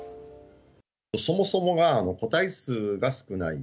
そもそもが個体数が少ない。